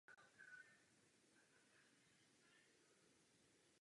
Hra probíhá od doby kamenné do doby železné.